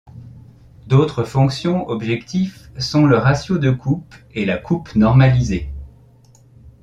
D'autres fonctions objectifs sont le ratio de coupe et la coupe normalisée.